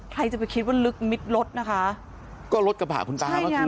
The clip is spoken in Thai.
ใครจะไปคิดว่าลึกมิดรถนะคะก็รถกระบะคุณตาเมื่อกี้